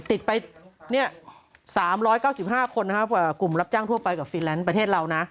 ติดไป๓๙๕คนนะครับกลุ่มรับจ้างทั่วไปกับฟีแลนซ์ประเทศเรานะ